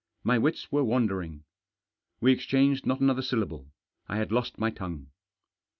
My wits were wandering. We exchanged not another syllable. I had lost my tongue.